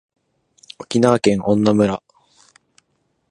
沖縄県恩納村